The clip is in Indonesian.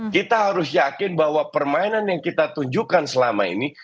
kita harus yakin bahwa permainan yang kita tunjukkan selama ini